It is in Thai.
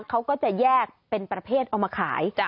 เขาก็จะแยกเป็นประเภทเอามาขาย